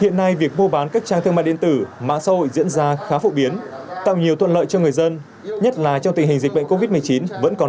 hiện nay việc mua bán các trang thương mại điện tử mạng xã hội diễn ra khá phổ biến tạo nhiều thuận lợi cho người dân nhất là trong tình hình dịch bệnh covid một mươi chín vẫn còn nhiều diễn biến phức tạp